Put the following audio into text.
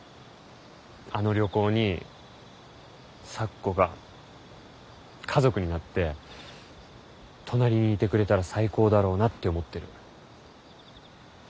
あの旅行に咲子が家族になって隣にいてくれたら最高だろうなって思ってる。